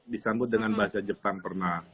disambut dengan bahasa jepang pernah